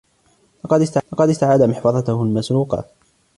لقد استعاد محفظته المسروقة.